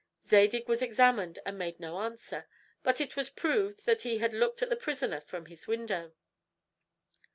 Zadig was examined and made no answer. But it was proved that he had looked at the prisoner from this window.